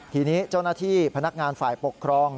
ทีนี้เจ้าหน้าที่พนักงานฝ่ายปกครอง